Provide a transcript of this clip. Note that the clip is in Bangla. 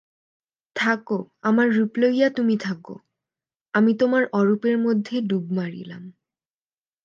থাকো, আমার রূপ লইয়া তুমি থাকো, আমি তোমার অরূপের মধ্যে ডুব মারিলাম।